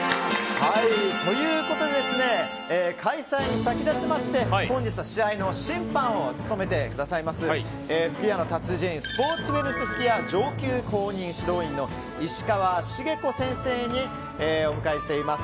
開催に先立ちまして、本日は試合の審判を務めてくださいます吹矢の達人スポーツウエルネス吹矢上級公認指導員の石川茂子先生をお迎えしています。